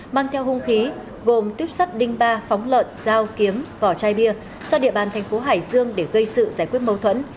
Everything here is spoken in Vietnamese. mang theo hung khí gồm tuyếp sắt đinh ba phóng lợn dao kiếm vỏ chai bia sau địa bàn thành phố hải dương để gây sự giải quyết mâu thuẫn